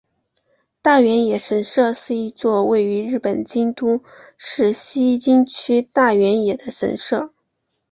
大原野神社是一座位于日本京都市西京区大原野的神社。